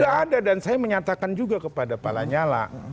tidak ada dan saya menyatakan juga kepada pak lanyala